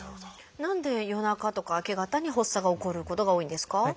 何で夜中とか明け方に発作が起こることが多いんですか？